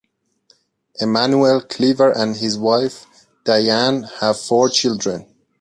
Emanuel Cleaver and his wife, Dianne, have four children.